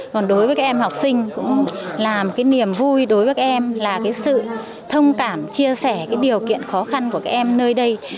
còn đối với các em học sinh cũng làm cái niềm vui đối với các em là cái sự thông cảm chia sẻ cái điều kiện khó khăn của các em nơi đây